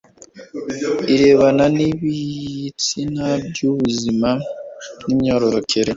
irebana n'ibitsina n'ubuzima bw'imyororokere